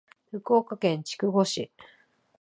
福岡県筑後市